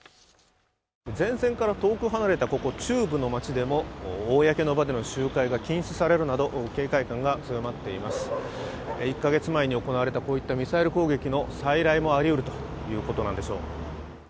前線から遠く離れたここ中部の町でも公の場での集会が禁止されるなど警戒感が強まっていますね１か月前に行われたこういったミサイル攻撃の再来もありうるということなんでしょう